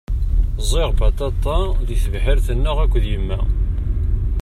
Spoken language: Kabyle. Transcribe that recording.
Ẓẓiɣ baṭaṭa di tebḥirt-nneɣ akked yemma.